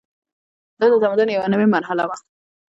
دا د تمدن یوه نوې مرحله وه.